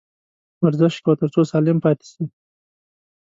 ورزش کوه ، تر څو سالم پاته سې